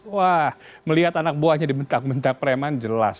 wah melihat anak buahnya dibentak bentak pereman jelas